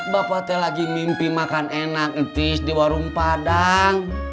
bapak teh lagi mimpi makan enak etis di warung padang